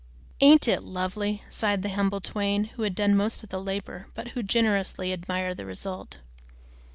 "Ain't it lovely?" sighed the humble twain, who had done most of the labor, but who generously admired the result.